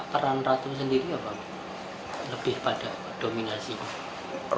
peran ratu sendiri apa lebih pada dominasinya